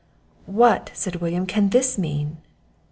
"What," said William, "can this mean?"